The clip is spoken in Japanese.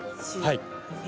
はい。